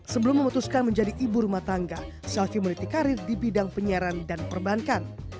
sebelum memutuskan menjadi ibu rumah tangga selvie meneliti karir di bidang penyiaran dan perbankan